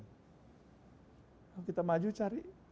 kalau kita maju cari